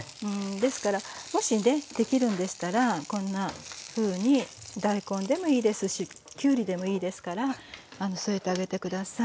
ですからもしねできるんでしたらこんなふうに大根でもいいですしきゅりでもいいですから添えてあげて下さい。